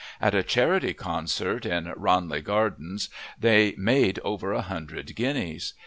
At a charity concert in Ranelagh Gardens they made over a hundred guineas.